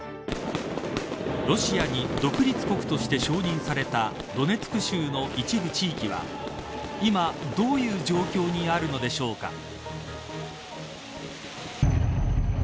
ロシアに独立国として承認されたドネツク州の一部地域は今、どういう状況にあるのでしょうか。